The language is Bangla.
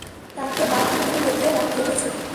তাকে বাথরুম এ বেঁধে রেখেছি।